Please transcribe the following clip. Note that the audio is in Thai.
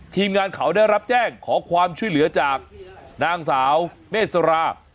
ทีมงานเขาได้รับแจ้งขอความช่วยเหลือจากนางสาวเมษรา